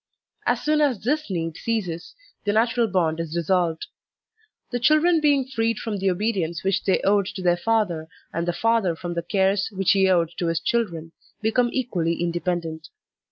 As soon as this need ceases, the natural bond is dissolved. The children being freed from the obedience which they owed to their father, and the father from the cares which he owed to his children, become equally independent.